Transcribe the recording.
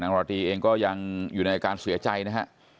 ราตรีเองก็ยังอยู่ในอาการเสียใจนะฮะ